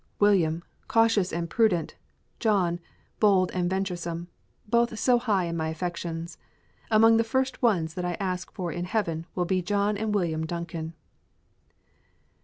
William, cautious and prudent; John, bold and venturesome both so high in my affections! Among the first ones that I ask for in Heaven will be John and William Duncan.